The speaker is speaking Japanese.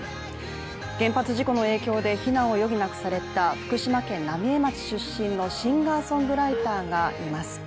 原発事故の影響で避難を余儀なくされた福島県浪江町出身のシンガーソングライターがいます。